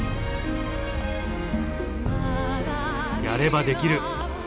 やればできる！